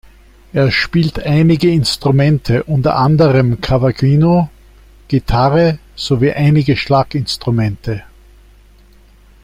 Er spielt einige Instrumente, unter anderem Cavaquinho, Gitarre, sowie einige Schlaginstrumente.